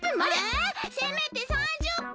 えせめて３０分！